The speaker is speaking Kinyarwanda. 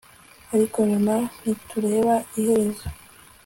Ariko nyuma ntitureba iherezo